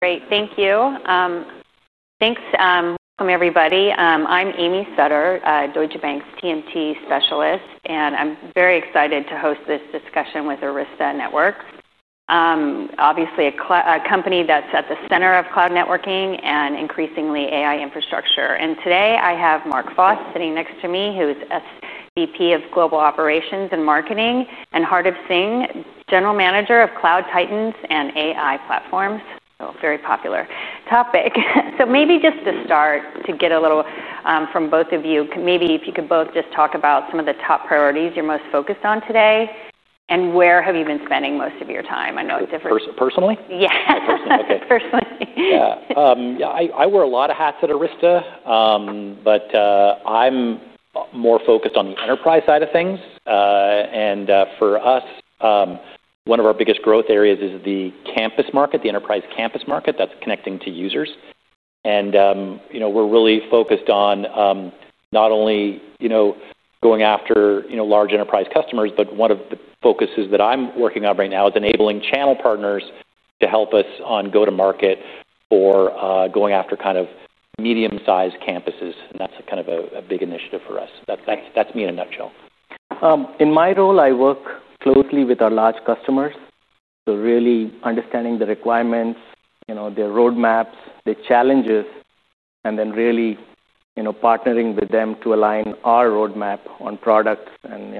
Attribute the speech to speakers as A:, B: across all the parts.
A: Great, thank you. Thanks. Welcome everybody. I'm Amy Sutter, Deutsche Bank's TMT specialist, and I'm very excited to host this discussion with Arista Networks. Obviously a company that's at the center of cloud networking and increasingly AI infrastructure. Today I have Mark Foss sitting next to me, who's VP of Global Operations and Marketing, and Hardev Singh, General Manager of Cloud Titans and AI Platforms. Very popular topic. Maybe just to start, to get a little from both of you, maybe if you could both just talk about some of the top priorities you're most focused on today and where have you been spending most of your time? I know it's different.
B: Personally?
A: Yes, okay, personally.
B: Yeah, I wear a lot of hats at Arista, but I'm more focused on the enterprise side of things. For us, one of our biggest growth areas is the campus market, the enterprise campus market that's connecting to users. We're really focused on not only going after large enterprise customers, but one of the focuses that I'm working on right now is enabling channel partners to help us on go-to-market for going after kind of medium-sized campuses. That's a kind of a big initiative for us. That's me in a nutshell.
C: In my role, I work closely with our large customers, really understanding the requirements, their roadmaps, their challenges, and then partnering with them to align our roadmap on products and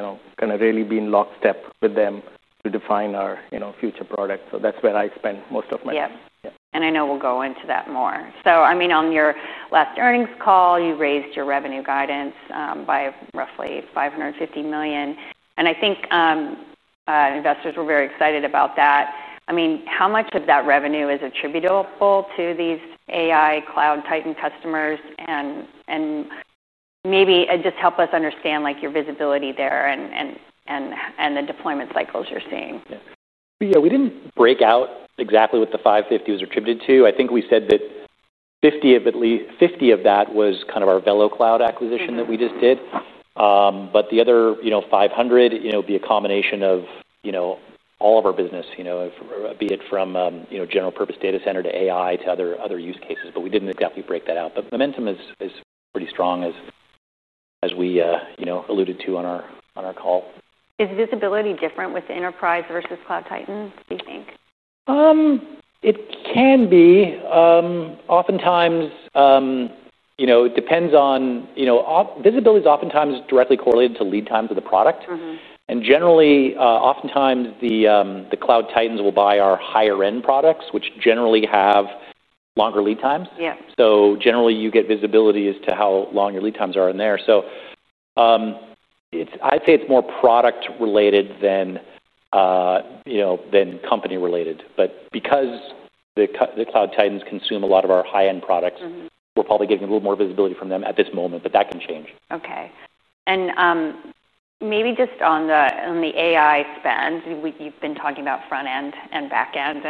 C: really being lockstep with them to define our future products. That's where I spend most of my time.
A: Yeah. I know we'll go into that more. On your last earnings call, you raised your revenue guidance by roughly $550 million. I think investors were very excited about that. How much of that revenue is attributable to these AI Cloud Titan customers? Maybe just help us understand your visibility there and the deployment cycles you're seeing.
B: Yeah. We didn't break out exactly what the $550 million was attributed to. I think we said that at least $50 million of that was kind of our VeloCloud acquisition that we just did. The other $500 million would be a combination of all of our business, be it from general purpose data center to AI to other use cases. We didn't exactly break that out. Momentum is pretty strong as we alluded to on our call.
A: Is visibility different with enterprise versus Cloud Titans? Do you think?
B: It can be. Oftentimes, you know, it depends on, you know, visibility is oftentimes directly correlated to lead times of the product. Generally, oftentimes the Cloud Titans will buy our higher-end products, which generally have longer lead times.
A: Yeah.
B: You get visibility as to how long your lead times are in there. It's more product-related than company-related. Because the Cloud Titans consume a lot of our high-end products, we're probably getting a little more visibility from them at this moment, but that can change.
A: Okay. Maybe just on the AI spend, you've been talking about front-end and back-end,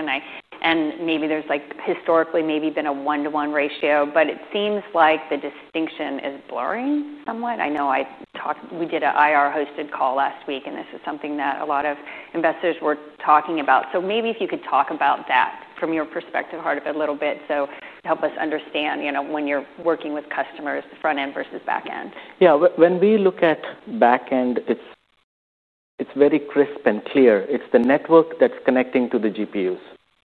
A: and maybe there's like historically maybe been a one-to-one ratio, but it seems like the distinction is blurring somewhat. I know I talked, we did an IR-hosted call last week, and this is something that a lot of investors were talking about. If you could talk about that from your perspective, Hardev, a little bit, to help us understand, you know, when you're working with customers, the front-end versus back-end.
C: Yeah, when we look at back-end, it's very crisp and clear. It's the network that's connecting to the GPUs,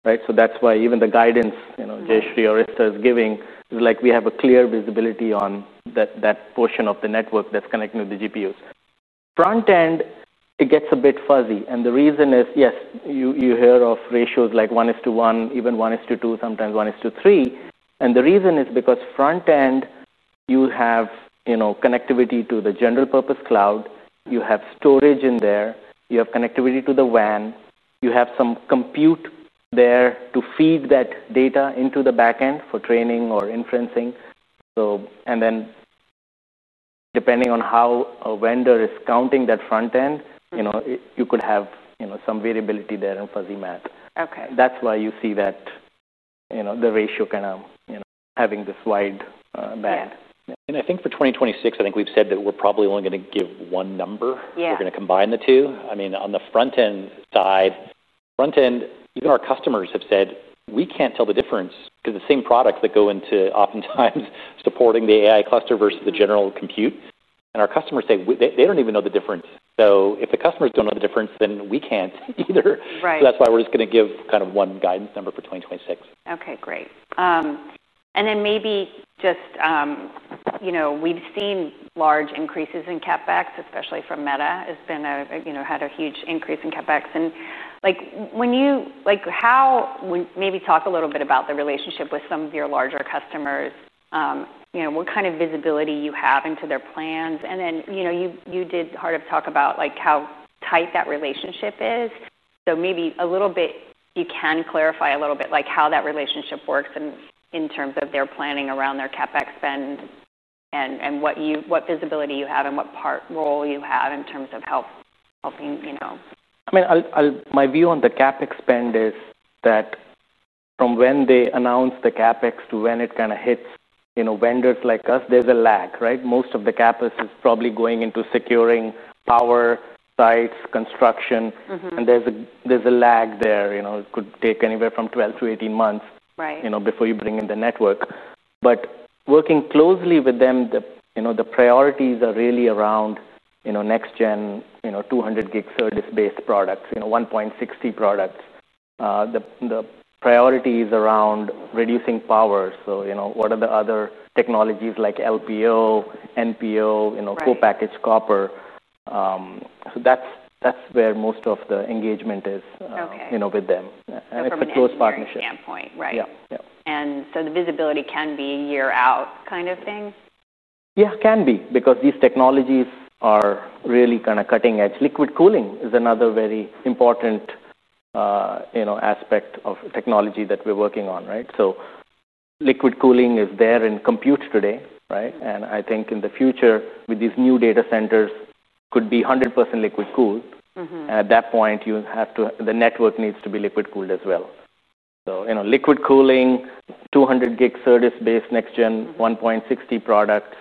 C: right? That's why even the guidance Jayshree is giving is like we have a clear visibility on that portion of the network that's connecting to the GPUs. Front-end gets a bit fuzzy. The reason is, yes, you hear of ratios like one is to one, even one is to two, sometimes one is to three. The reason is because front-end, you have connectivity to the general purpose cloud, you have storage in there, you have connectivity to the WAN, you have some compute there to feed that data into the back-end for training or inferencing. Depending on how a vendor is counting that front-end, you could have some variability there and fuzzy math. That's why you see that the ratio kind of, you know, having this wide band.
B: I think for 2026, I think we've said that we're probably only going to give one number. We're going to combine the two. I mean, on the front-end side, front-end, even our customers have said, we can't tell the difference because the same products that go into oftentimes supporting the AI cluster versus the general compute. Our customers say they don't even know the difference. If the customers don't know the difference, then we can't either. That is why we're just going to give kind of one guidance number for 2026.
A: Okay, great. Maybe just, you know, we've seen large increases in CapEx, especially from Meta. It's been a, you know, had a huge increase in CapEx. When you, like, how, when maybe talk a little bit about the relationship with some of your larger customers, you know, what kind of visibility you have into their plans. You did talk about like how tight that relationship is. Maybe you can clarify a little bit like how that relationship works in terms of their planning around their CapEx spend and what visibility you have and what part role you have in terms of helping, you know.
C: I mean, my view on the CapEx spend is that from when they announce the CapEx to when it kind of hits, you know, vendors like us, there's a lag, right? Most of the CapEx is probably going into securing power sites, construction, and there's a lag there. It could take anywhere from 12-18 months before you bring in the network. Working closely with them, the priorities are really around next-gen, 200 gig service-based products, 1.60 products. The priority is around reducing power. What are the other technologies like LPO, NPO, co-packaged copper? That's where most of the engagement is with them.
A: From a closed partnership standpoint, right?
C: Yeah.
A: The visibility can be a year out kind of thing?
C: Yeah, can be because these technologies are really kind of cutting edge. Liquid cooling is another very important aspect of technology that we're working on, right? Liquid cooling is there in compute today, right? I think in the future, with these new data centers, could be 100% liquid cooled. At that point, the network needs to be liquid cooled as well. Liquid cooling, 200G service-based next-gen, 1.60 products,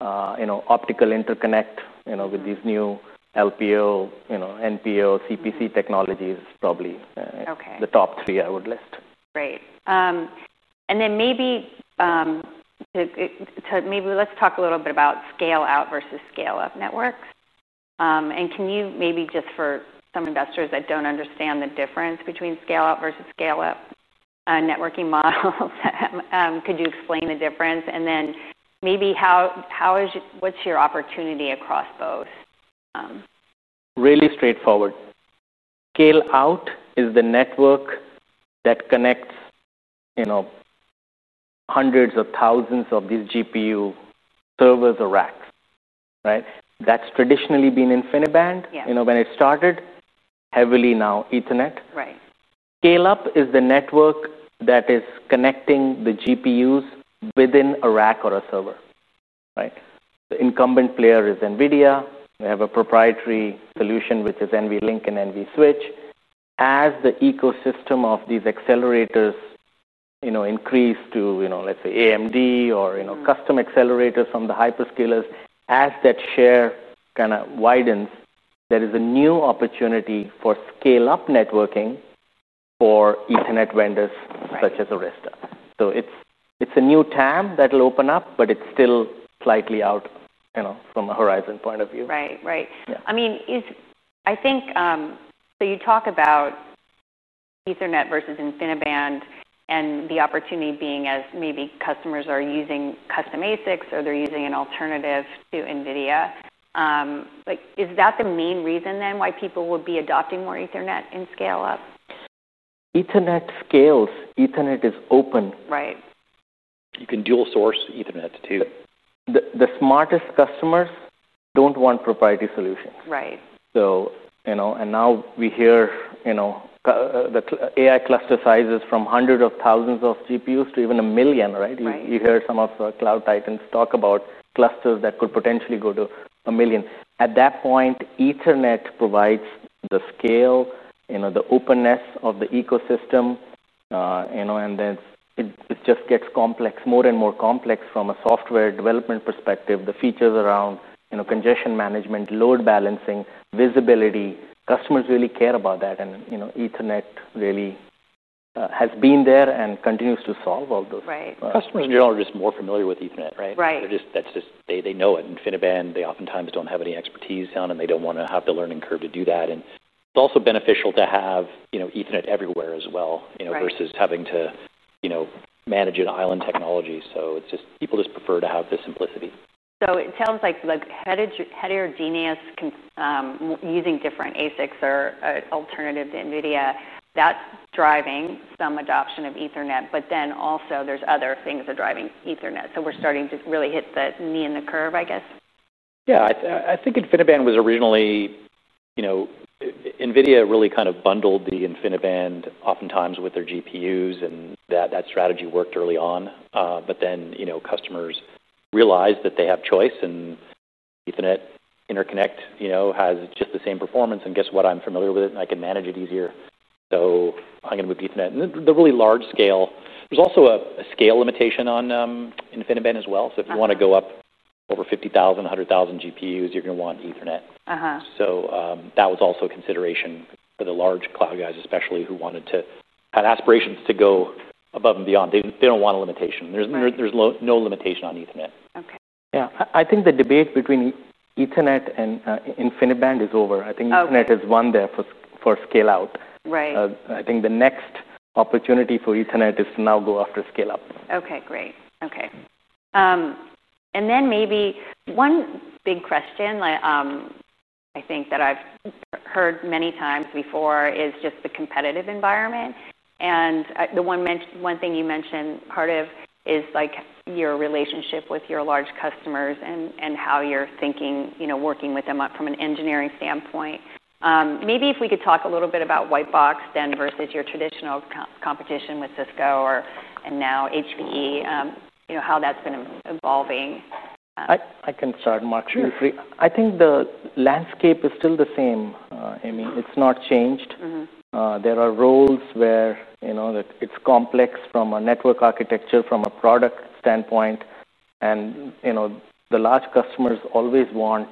C: optical interconnect with these new LPO, NPO, CPC technologies is probably the top three I would list.
A: Great. Maybe let's talk a little bit about scale-out versus scale-up networks. Can you, for some investors that don't understand the difference between scale-out versus scale-up networking models, explain the difference? Then maybe, what is your opportunity across both?
C: Really straightforward. Scale-out is the network that connects, you know, hundreds of thousands of these GPU servers or racks, right? That's traditionally been InfiniBand, you know, when it started, heavily now Ethernet. Scale-up is the network that is connecting the GPUs within a rack or a server, right? The incumbent player is NVIDIA. We have a proprietary solution, which is NVLink and NVSwitch. As the ecosystem of these accelerators increase to, let's say, AMD or custom accelerators from the hyperscalers, as that share kind of widens, there is a new opportunity for scale-up networking for Ethernet vendors such as Arista. It's a new TAM that'll open up, but it's still slightly out from a horizon point of view.
A: Right. I mean, is, I think, you talk about Ethernet versus InfiniBand and the opportunity being as maybe customers are using custom ASICs or they're using an alternative to NVIDIA. Is that the main reason then why people will be adopting more Ethernet in scale-up?
C: Ethernet scales. Ethernet is open.
A: Right.
B: You can dual source Ethernet too.
C: The smartest customers don't want proprietary solutions. You know, now we hear the AI cluster sizes from hundreds of thousands of GPUs to even a million, right? You hear some of the Cloud Titans talk about clusters that could potentially go to a million. At that point, Ethernet provides the scale, the openness of the ecosystem, and then it just gets more and more complex from a software development perspective, the features around congestion management, load balancing, visibility. Customers really care about that. Ethernet really has been there and continues to solve all those.
B: Customers in general are just more familiar with Ethernet, right? They know it. InfiniBand, they oftentimes don't have any expertise on it. They don't want to have to learn and curve to do that. It's also beneficial to have, you know, Ethernet everywhere as well, you know, versus having to, you know, manage an island technology. People just prefer to have this simplicity.
A: It sounds like the heterogeneous, using different ASICs or alternative to NVIDIA, that's driving some adoption of Ethernet. There are also other things that are driving Ethernet. We're starting to really hit the knee in the curve, I guess.
B: Yeah, I think InfiniBand was originally, you know, NVIDIA really kind of bundled the InfiniBand oftentimes with their GPUs and that strategy worked early on. Customers realized that they have choice and Ethernet interconnect has just the same performance. Guess what? I'm familiar with it and I can manage it easier. I'm going to move to Ethernet. At the really large scale, there's also a scale limitation on InfiniBand as well. If you want to go up over 50,000, 100,000 GPUs, you're going to want Ethernet. That was also a consideration for the large cloud guys, especially who wanted to have aspirations to go above and beyond. They don't want a limitation. There's no limitation on Ethernet.
C: Yeah, I think the debate between Ethernet and InfiniBand is over. I think Ethernet has won there for scale-out. I think the next opportunity for Ethernet is to now go after scale-up.
A: Okay, great. Maybe one big question I think that I've heard many times before is just the competitive environment. The one thing you mentioned, Hardev, is your relationship with your large customers and how you're thinking, you know, working with them up from an engineering standpoint. Maybe if we could talk a little bit about white box then versus your traditional competition with Cisco or, and now HPE, you know, how that's been evolving.
C: I can start, Mark. I think the landscape is still the same, Amy. It's not changed. There are roles where, you know, that it's complex from a network architecture, from a product standpoint. You know, the large customers always want,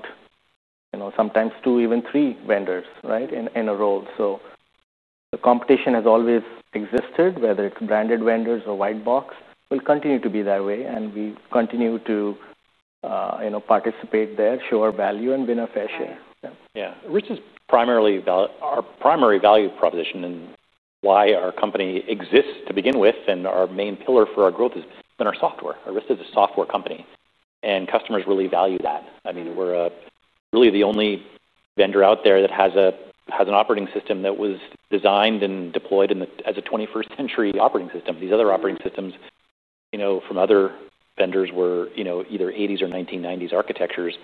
C: you know, sometimes two, even three vendors, right, in a role. The competition has always existed, whether it's branded vendors or white box, will continue to be that way. We continue to, you know, participate there, show our value, and win our fair share.
B: Yeah, Arista's primarily our primary value proposition and why our company exists to begin with. Our main pillar for our growth has been our software. Arista is a software company and customers really value that. I mean, we're really the only vendor out there that has an operating system that was designed and deployed as a 21st century operating system. These other operating systems from other vendors were either 1980s or 1990s architectures.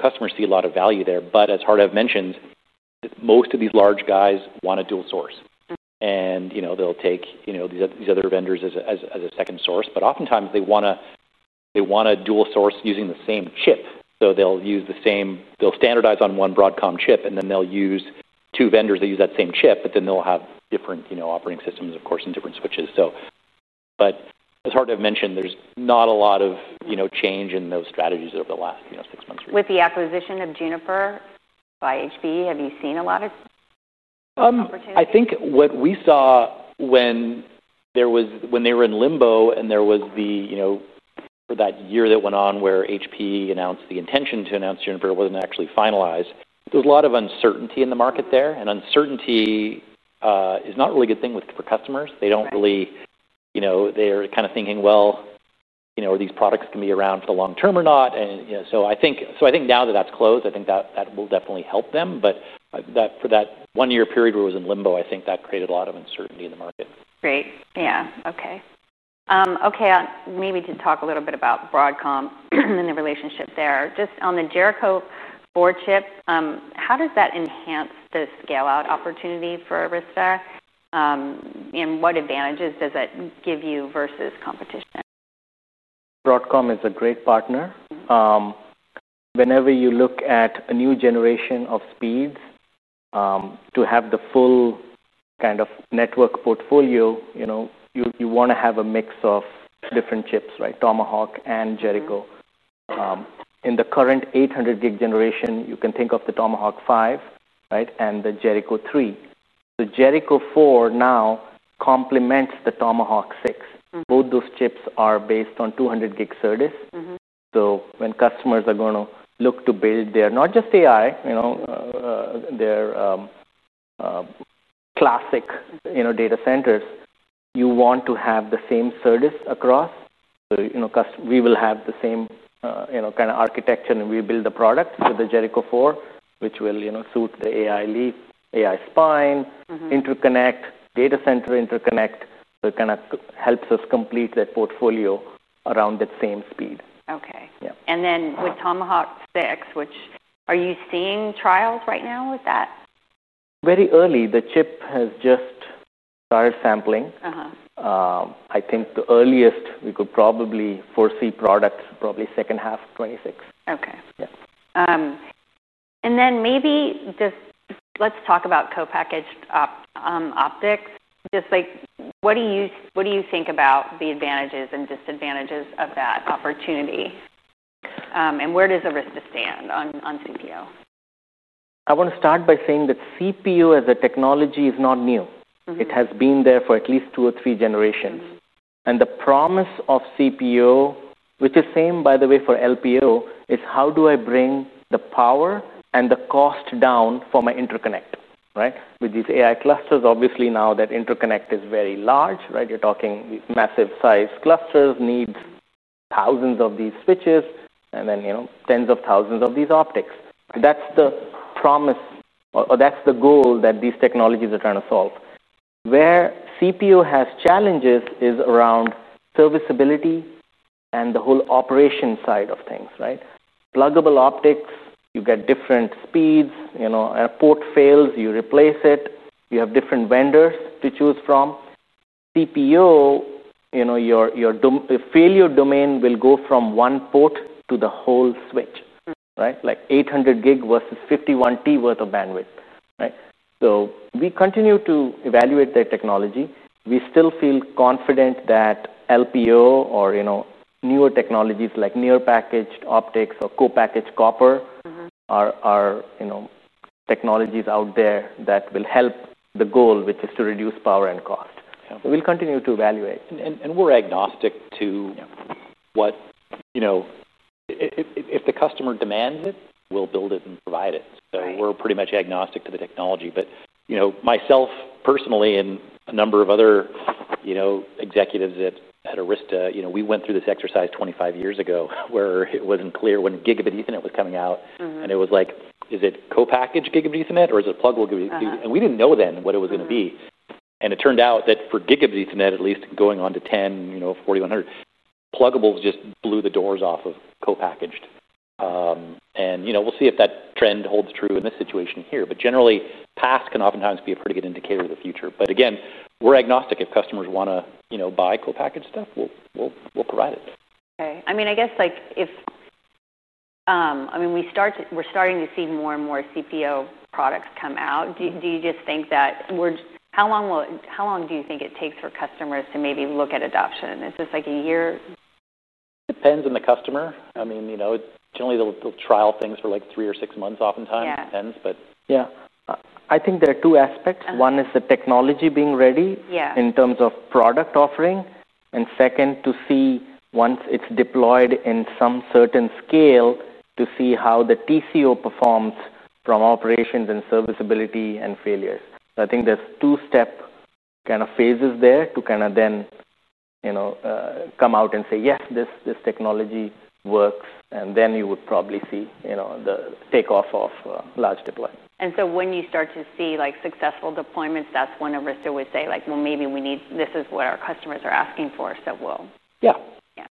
B: Customers see a lot of value there. As Hardev mentions, most of these large guys want a dual source. They'll take these other vendors as a second source. Oftentimes they want a dual source using the same chip. They'll use the same, they'll standardize on one Broadcom chip and then they'll use two vendors that use that same chip, but then they'll have different operating systems, of course, and different switches. As Hardev mentioned, there's not a lot of change in those strategies over the last six months.
A: With the acquisition of Juniper by HPE, have you seen a lot of opportunity?
B: I think what we saw when they were in limbo and there was, you know, for that year that went on where HPE announced the intention to announce, Juniper wasn't actually finalized. There was a lot of uncertainty in the market there. Uncertainty is not really a good thing for customers. They're kind of thinking, you know, are these products going to be around for the long term or not? I think now that that's closed, that will definitely help them. For that one year period where it was in limbo, I think that created a lot of uncertainty in the market.
A: Right. Yeah. Okay. Maybe to talk a little bit about Broadcom and the relationship there, just on the Jericho 4 chips, how does that enhance the scale-out opportunity for Arista? What advantages does that give you versus competition?
C: Broadcom is a great partner. Whenever you look at a new generation of speeds, to have the full kind of network portfolio, you want to have a mix of different chips, right? Tomahawk and Jericho. In the current 800 gig generation, you can think of the Tomahawk 5, right? And the Jericho 3. Jericho 4 now complements the Tomahawk 6. Both those chips are based on 200 gig service. When customers are going to look to build their, not just AI, their classic data centers, you want to have the same service across. We will have the same kind of architecture and we build the product with the Jericho 4, which will suit the AI league, AI spine, interconnect, data center interconnect. It helps us complete that portfolio around that same speed.
A: Okay, with Tomahawk 6, are you seeing trials right now with that?
C: Very early. The chip has just started sampling. I think the earliest we could probably foresee products is probably second half of 2026.
A: Okay. Yeah, and then maybe just let's talk about co-packaged optics. Just like, what do you think about the advantages and disadvantages of that opportunity, and where does Arista stand on CPO?
C: I want to start by saying that CPO as a technology is not new. It has been there for at least two or three generations. The promise of CPO, which is the same, by the way, for LPO, is how do I bring the power and the cost down for my interconnect, right? With these AI clusters, obviously now that interconnect is very large, right? You're talking massive size clusters need thousands of these switches and then tens of thousands of these optics. That's the promise or that's the goal that these technologies are trying to solve. Where CPO has challenges is around serviceability and the whole operation side of things, right? Pluggable optics, you get different speeds, you know, a port fails, you replace it, you have different vendors to choose from. CPO, you know, your failure domain will go from one port to the whole switch, right? Like 800 gig versus 51T worth of bandwidth, right? We continue to evaluate that technology. We still feel confident that LPO or newer technologies like near-packaged optics or co-packaged copper are technologies out there that will help the goal, which is to reduce power and cost. We'll continue to evaluate.
B: We're agnostic to what, you know, if the customer demands it, we'll build it and provide it. We're pretty much agnostic to the technology. Myself personally and a number of other executives at Arista Networks, we went through this exercise 25 years ago where it wasn't clear when gigabit Ethernet was coming out. It was like, is it co-packaged gigabit Ethernet or is it pluggable? We didn't know then what it was going to be. It turned out that for gigabit Ethernet, at least going on to 10, 4,100, pluggable just blew the doors off of co-packaged. We'll see if that trend holds true in this situation here. Generally, past can oftentimes be a pretty good indicator of the future. Again, we're agnostic. If customers want to buy co-packaged stuff, we'll provide it.
A: Okay. I guess if we start to, we're starting to see more and more CPO products come out. Do you think that we're, how long do you think it takes for customers to maybe look at adoption? Is this like a year?
B: Depends on the customer. I mean, generally they'll trial things for like three or six months oftentimes. It depends. Yeah, I think there are two aspects. One is the technology being ready in terms of product offering. Second, to see once it's deployed in some certain scale, to see how the TCO performs from operations and serviceability and failure. I think there's two step kind of phases there to kind of then, you know, come out and say, yes, this technology works. You would probably see, you know, the takeoff of large deployment.
A: When you start to see successful deployments, that's when Arista would say, maybe we need, this is what our customers are asking for. So we'll.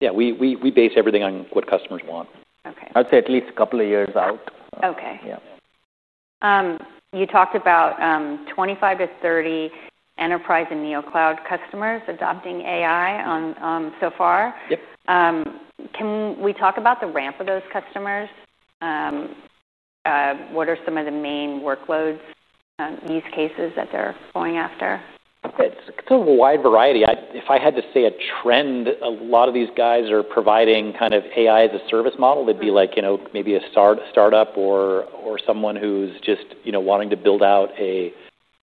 B: Yeah, we base everything on what customers want.
A: Okay.
C: I'd say at least a couple of years out.
A: Okay.
C: Yeah.
A: You talked about 25-30 enterprise and Neocloud customers adopting AI on so far.
B: Yep.
A: Can we talk about the ramp of those customers? What are some of the main workloads, use cases that they're going after?
B: It's a wide variety. If I had to say a trend, a lot of these guys are providing kind of AI as a service model. They'd be like, you know, maybe a startup or someone who's just, you know, wanting to build out an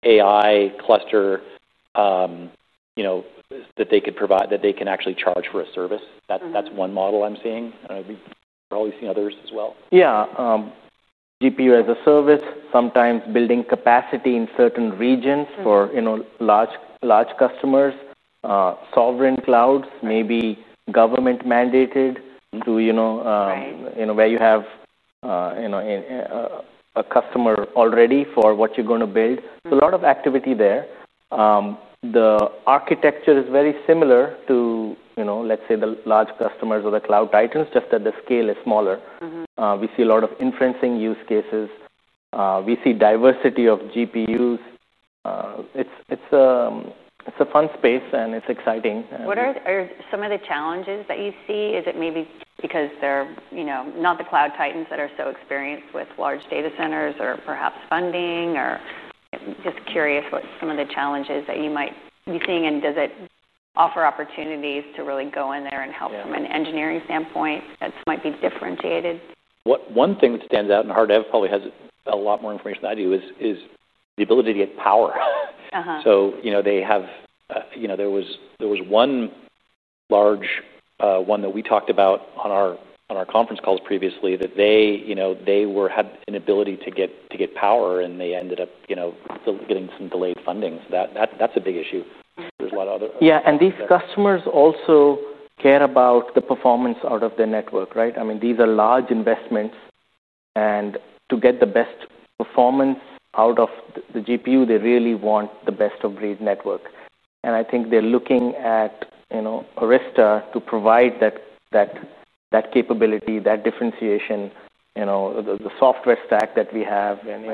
B: AI cluster that they could provide, that they can actually charge for a service. That's one model I'm seeing. I don't know if we've probably seen others as well.
C: Yeah. GPU as a service, sometimes building capacity in certain regions for, you know, large customers, sovereign clouds, maybe government mandated through, you know, where you have, you know, a customer already for what you're going to build. A lot of activity there. The architecture is very similar to, you know, let's say the large customers or the Cloud Titans, just that the scale is smaller. We see a lot of inferencing use cases. We see diversity of GPUs. It's a fun space and it's exciting.
A: What are some of the challenges that you see? Is it maybe because they're, you know, not the Cloud Titans that are so experienced with large data centers, or perhaps funding? Just curious what some of the challenges that you might be seeing, and does it offer opportunities to really go in there and help from an engineering standpoint that might be differentiated?
B: One thing that stands out, and Hardev probably has a lot more information than I do, is the ability to get power. They have, you know, there was one large one that we talked about on our conference calls previously that they had an ability to get power and they ended up getting some delayed funding. That's a big issue. There's a lot of other.
C: Yeah, and these customers also care about the performance out of the network, right? I mean, these are large investments, and to get the best performance out of the GPU, they really want the best of breed network. I think they're looking at, you know, Arista to provide that capability, that differentiation, the software stack that we have, and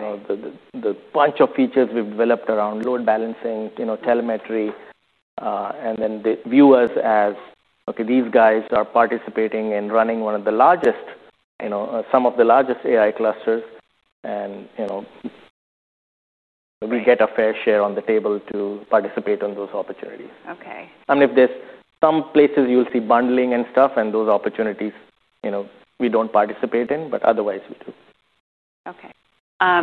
C: the bunch of features we've developed around load balancing and telemetry. The viewers see us as, okay, these guys are participating in running one of the largest, some of the largest AI clusters, and we get a fair share on the table to participate in those opportunities. Okay. If there's some places you'll see bundling and those opportunities, you know, we don't participate in, but otherwise we do.
A: Okay. I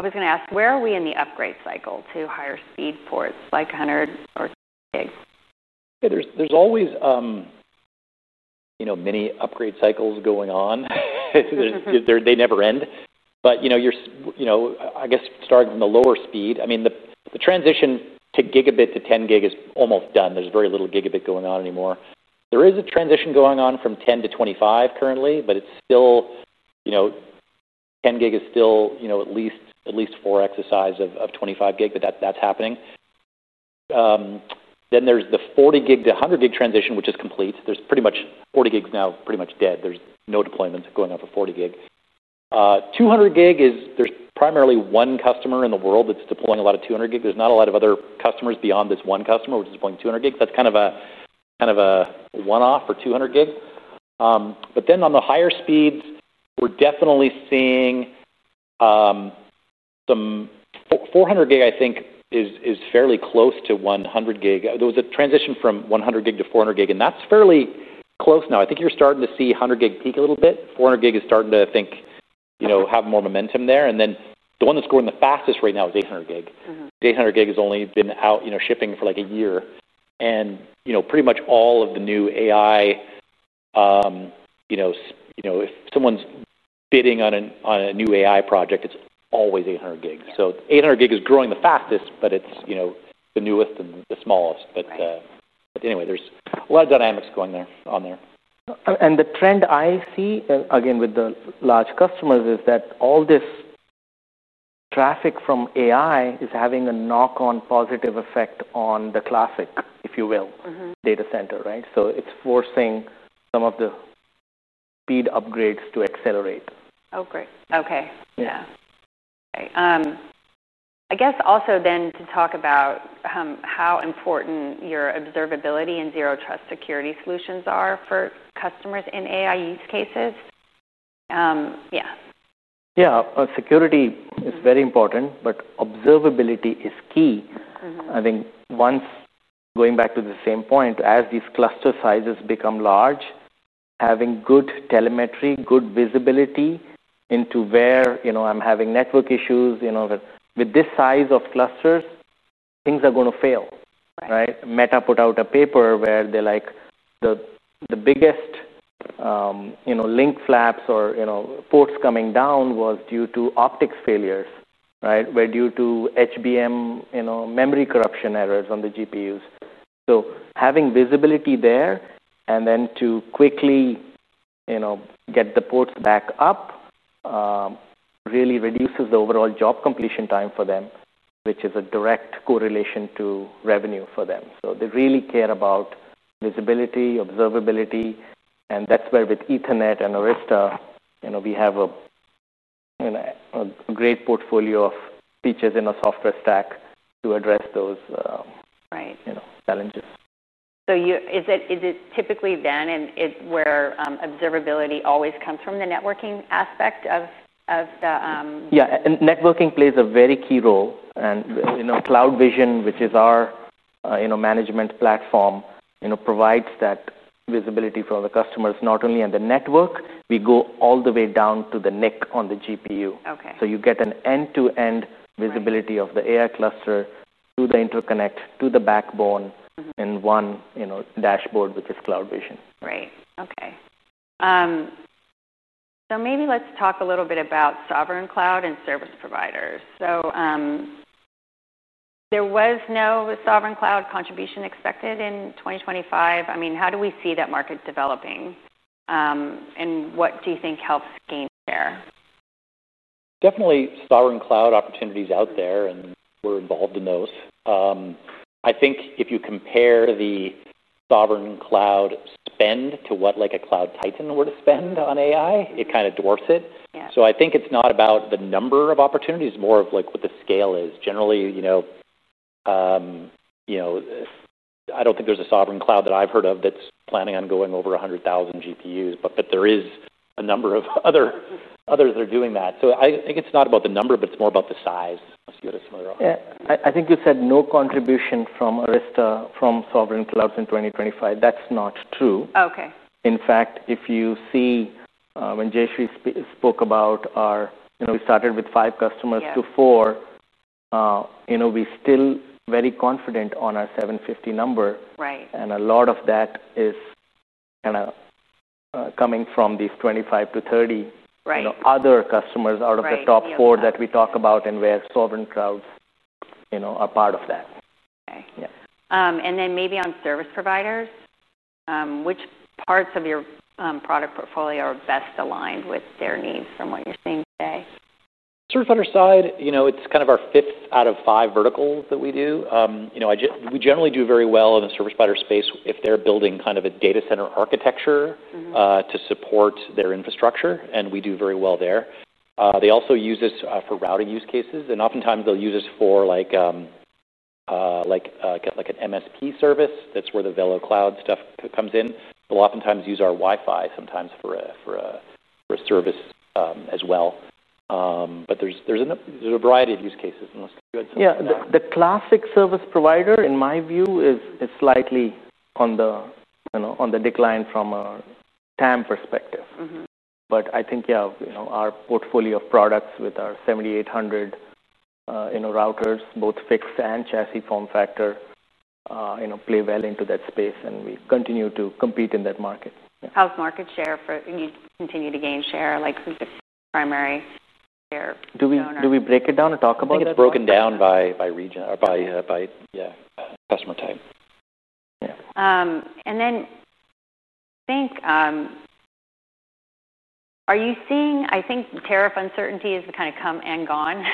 A: was going to ask, where are we in the upgrade cycle to higher speed ports, like hundreds or gigs?
B: Yeah, there's always, you know, many upgrade cycles going on. They never end. You're, you know, I guess starting from the lower speed, I mean, the transition to gigabit to 10 gig is almost done. There's very little gigabit going on anymore. There is a transition going on from 10-25 currently, but it's still, you know, 10 gig is still, you know, at least, at least four exercises of 25 gig, but that's happening. There's the 40 gig-100 gig transition, which is complete. There's pretty much 40 gigs now, pretty much dead. There's no deployments going on for 40 gig. 200 gig is, there's primarily one customer in the world that's deploying a lot of 200 gig. There's not a lot of other customers beyond this one customer, which is deploying 200 gig. That's kind of a, kind of a one-off for 200 gig. On the higher speeds, we're definitely seeing some 400 gig, I think is, is fairly close to 100 gig. There was a transition from 100 gig-400 gig, and that's fairly close now. I think you're starting to see 100 gig peak a little bit. 400 gig is starting to, I think, you know, have more momentum there. The one that's going the fastest right now is 800 gig. 800 gig has only been out, you know, shipping for like a year. Pretty much all of the new AI, you know, if someone's bidding on a new AI project, it's always 800 gig. 800 gig is growing the fastest, but it's, you know, the newest and the smallest. Anyway, there's a lot of dynamics going on there.
C: The trend I see, again, with the large customers is that all this traffic from AI is having a knock-on positive effect on the classic, if you will, data center, right? It's forcing some of the speed upgrades to accelerate.
A: Great. Okay. I guess also to talk about how important your observability and zero trust security solutions are for customers in AI use cases. Yes.
C: Yeah, security is very important, but observability is key. I think once, going back to the same point, as these cluster sizes become large, having good telemetry, good visibility into where, you know, I'm having network issues, you know, with this size of clusters, things are going to fail. Right. Meta put out a paper where they're like the biggest, you know, link flaps or, you know, ports coming down was due to optics failures, right? Where due to HBM, you know, memory corruption errors on the GPUs. Having visibility there and then to quickly, you know, get the ports back up really reduces the overall job completion time for them, which is a direct correlation to revenue for them. They really care about visibility, observability, and that's where with Ethernet and Arista, you know, we have a, you know, a great portfolio of features in our software stack to address those, you know, challenges.
A: Is it typically then where observability always comes from the networking aspect of the,
C: Yeah, networking plays a very key role. CloudVision, which is our management platform, provides that visibility for the customers, not only on the network, we go all the way down to the neck on the GPU. You get an end-to-end visibility of the AI cluster to the interconnect to the backbone in one dashboard, which is CloudVision.
A: Right. Okay, maybe let's talk a little bit about sovereign cloud and service providers. There was no sovereign cloud contribution expected in 2025. How do we see that market developing, and what do you think helps gain there?
B: Definitely sovereign cloud opportunities out there, and we're involved in those. I think if you compare the sovereign cloud spend to what like a cloud titan were to spend on AI, it kind of dwarfs it. I think it's not about the number of opportunities, more of what the scale is. Generally, I don't think there's a sovereign cloud that I've heard of that's planning on going over 100,000 GPUs, but there is a number of others that are doing that. I think it's not about the number, but it's more about the size. Let's go to some other.
C: I think you said no contribution from Arista from sovereign clouds in 2025. That's not true. In fact, if you see, when Jayshree spoke about our, you know, we started with five customers to four, you know, we still are very confident on our 750 number. A lot of that is kind of coming from these 25-30. Other customers out of the top four that we talk about, and where sovereign clouds are part of that.
A: Maybe on service providers, which parts of your product portfolio are best aligned with their needs from what you're seeing today?
B: Service provider side, you know, it's kind of our fifth out of five verticals that we do. We generally do very well in the service provider space if they're building kind of a data center architecture to support their infrastructure, and we do very well there. They also use us for routing use cases, and oftentimes they'll use us for like an MSP service. That's where the VeloCloud stuff comes in. They'll oftentimes use our Wi-Fi sometimes for a service as well, but there's a variety of use cases.
C: Yeah, the classic service provider in my view is slightly on the, you know, on the decline from a TAM perspective. I think, yeah, you know, our portfolio of products with our 7800 routers, both fixed and chassis form factor, you know, play well into that space. We continue to compete in that market.
A: How's market share for, I mean, continue to gain share? Like, who's the primary share?
C: Do we break it down or talk about it?
B: It's broken down by region or by customer type.
A: Yeah, I think tariff uncertainty has kind of come and gone.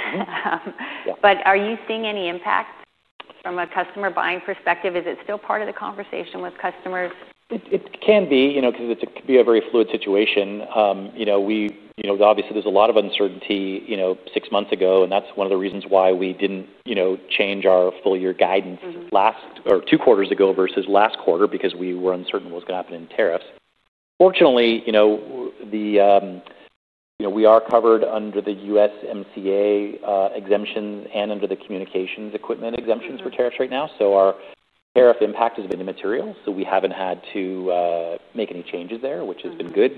A: Are you seeing any impact from a customer buying perspective? Is it still part of the conversation with customers?
B: It can be, you know, because it's a very fluid situation. Obviously, there's a lot of uncertainty, you know, six months ago. That's one of the reasons why we didn't change our full year guidance last or two quarters ago versus last quarter because we were uncertain what was going to happen in tariffs. Fortunately, we are covered under the USMCA exemptions and under the communications equipment exemptions for tariffs right now. Our tariff impact has been immaterial. We haven't had to make any changes there, which has been good.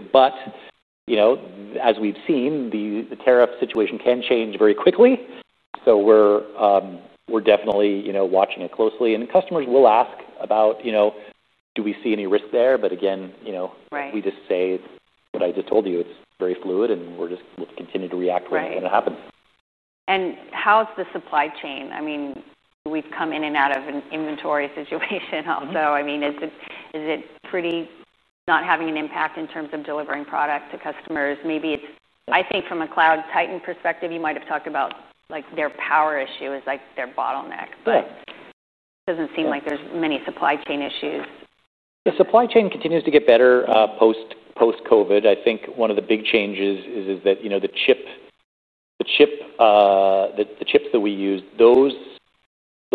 B: As we've seen, the tariff situation can change very quickly. We're definitely watching it closely. Customers will ask about, you know, do we see any risk there? Again, we just say what I just told you, it's very fluid and we'll continue to react when it happens.
A: How's the supply chain? I mean, we've come in and out of an inventory situation also. Is it pretty not having an impact in terms of delivering product to customers? Maybe from a cloud titan perspective, you might've talked about their power issue is like their bottleneck, but it doesn't seem like there's many supply chain issues.
B: Yeah, supply chain continues to get better, post COVID. I think one of the big changes is that, you know, the chip, the chip, that the chips that we use, those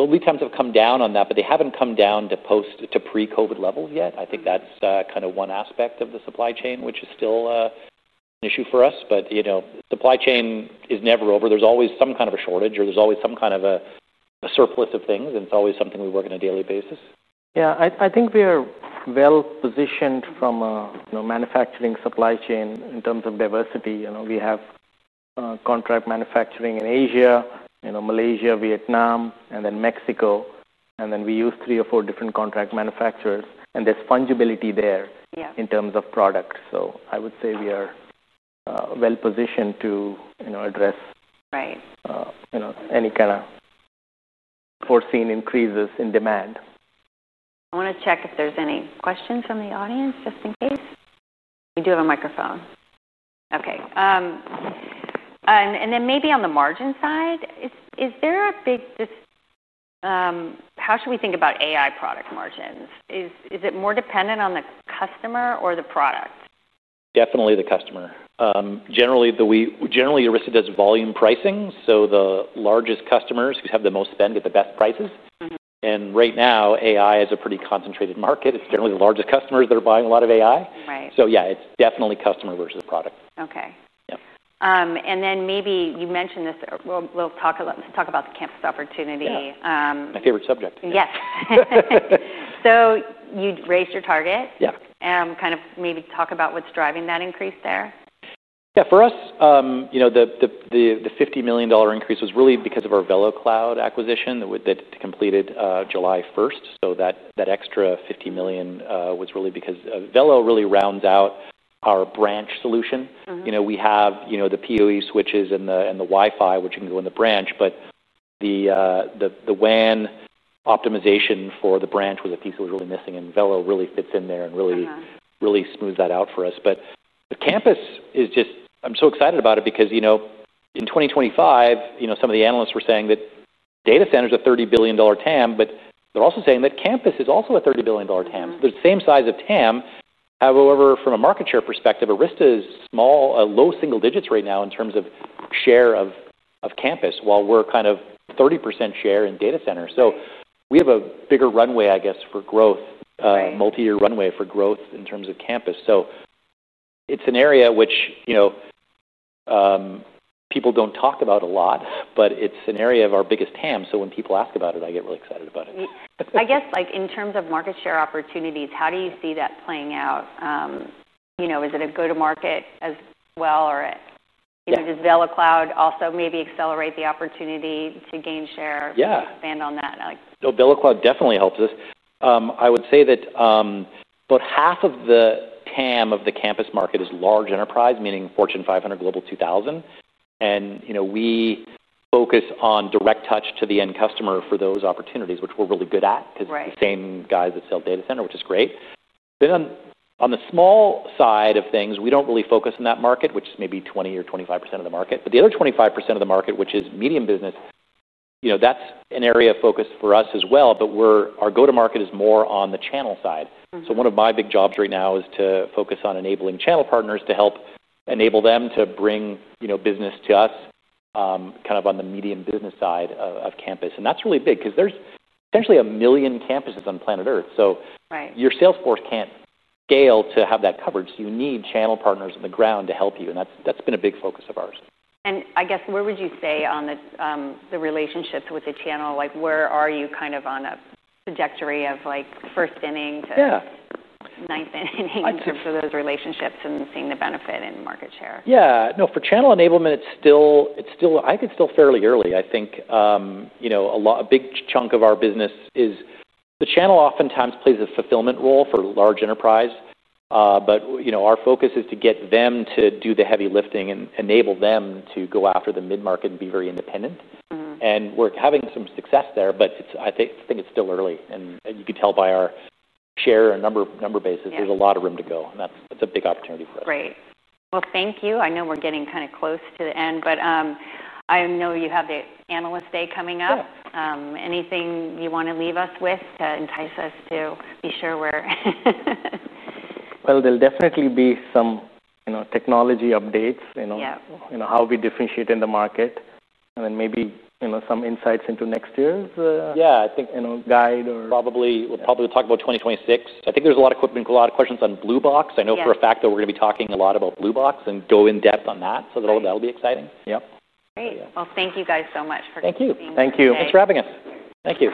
B: lead times have come down on that, but they haven't come down to pre-COVID levels yet. I think that's kind of one aspect of the supply chain, which is still an issue for us. You know, supply chain is never over. There's always some kind of a shortage or there's always some kind of a surplus of things. It's always something we work on a daily basis.
C: I think we are well positioned from a manufacturing supply chain in terms of diversity. We have contract manufacturing in Asia, Malaysia, Vietnam, and then Mexico. We use three or four different contract manufacturers, and there's fungibility there in terms of products. I would say we are well positioned to address any kind of foreseen increases in demand.
A: I want to check if there's any questions from the audience just in case. We do have a microphone. Okay. Maybe on the margin side, is there a big, just, how should we think about AI product margins? Is it more dependent on the customer or the product?
B: Definitely the customer. Generally, Arista does volume pricing. The largest customers who have the most spend get the best prices. Right now, AI is a pretty concentrated market. It's generally the largest customers that are buying a lot of AI. Yeah, it's definitely customer versus product.
A: Maybe you mentioned this. We'll talk a lot, talk about the campus opportunity.
B: Yeah, my favorite subject.
A: Yes, you'd raised your target.
B: Yeah.
A: Can you maybe talk about what's driving that increase there?
B: Yeah, for us, the $50 million increase was really because of our VeloCloud acquisition that completed July 1st. That extra $50 million was really because Velo really rounds out our branch solution. We have the PoE switches and the Wi-Fi, which you can go in the branch, but the WAN optimization for the branch was a piece that was really missing. Velo really fits in there and really smooths that out for us. The campus is just, I'm so excited about it because in 2025, some of the analysts were saying that data centers are a $30 billion TAM, but they're also saying that campus is also a $30 billion TAM. They're the same size of TAM. However, from a market share perspective, Arista is small, low single digits right now in terms of share of campus while we're kind of 30% share in data center. We have a bigger runway, I guess, for growth, a multi-year runway for growth in terms of campus. It's an area which people don't talk about a lot, but it's an area of our biggest TAM. When people ask about it, I get really excited about it.
A: I guess in terms of market share opportunities, how do you see that playing out? You know, is it a go-to-market as well, or does VeloCloud also maybe accelerate the opportunity to gain share? Expand on that
B: Yeah. So, VeloCloud definitely helps us. I would say that about half of the TAM of the campus market is large enterprise, meaning Fortune 500, Global 2000. You know, we focus on direct touch to the end customer for those opportunities, which we're really good at because the same guys that sell data center, which is great. On the small side of things, we don't really focus on that market, which is maybe 20% or 25% of the market. The other 25% of the market, which is medium business, you know, that's an area of focus for us as well. Our go-to-market is more on the channel side. One of my big jobs right now is to focus on enabling channel partners to help enable them to bring business to us, kind of on the medium business side of campus. That's really big because there's potentially a million campuses on planet Earth. Your Salesforce can't scale to have that coverage. You need channel partners on the ground to help you. That's been a big focus of ours.
A: Where would you say on the relationships with the channel, like where are you kind of on a trajectory of like first inning to ninth inning for those relationships and seeing the benefit in market share?
B: For channel enablement, it's still, I think it's still fairly early. I think a big chunk of our business is the channel oftentimes plays a fulfillment role for large enterprise, but our focus is to get them to do the heavy lifting and enable them to go after the mid-market and be very independent. We're having some success there, but I think it's still early. You could tell by our share and number basis, there's a lot of room to go. That's a big opportunity for us.
A: Great. Thank you. I know we're getting kind of close to the end, but I know you have the analyst day coming up. Anything you want to leave us with to entice us to be sure we're.
C: There'll definitely be some technology updates, how we differentiate in the market, and then maybe some insights into next year.
B: Yeah, I think, you know, we'll probably talk about 2026. I think there's a lot of questions on Blue Box. I know for a fact that we're going to be talking a lot about Blue Box and go in depth on that. That'll be exciting.
A: Great. Thank you guys so much for participating.
B: Thank you. Thank you. Thanks for having us. Thank you.